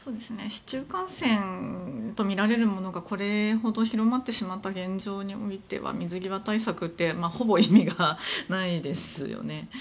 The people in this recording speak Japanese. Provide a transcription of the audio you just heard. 市中感染とみられるものがこれほど広まってしまった現状においては水際対策ってほぼ意味がないですよね。